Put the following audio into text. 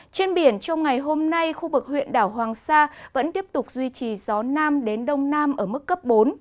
trên biển trong ngày hôm nay khu vực huyện đảo hoàng sa vẫn tiếp tục duy trì gió nam đến đông nam ở mức cấp bốn